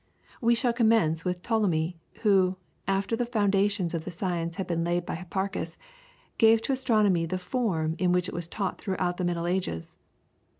We shall commence with Ptolemy, who, after the foundations of the science had been laid by Hipparchus, gave to astronomy the form in which it was taught throughout the Middle Ages.